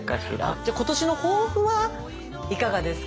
じゃ今年の抱負はいかがですか？